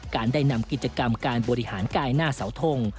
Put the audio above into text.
การได้นำกิจกรรมการบริหารกายหน้าเสาทง